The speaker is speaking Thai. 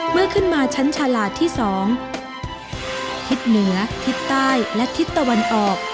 เมื่อขึ้นมาชั้นฉลาดที่๒ทิศเหนือทิศใต้และทิศตะวันออก